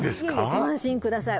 ご安心ください